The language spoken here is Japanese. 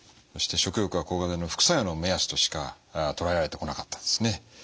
そして食欲は抗がん剤の副作用の目安としかとらえられてこなかったんですね。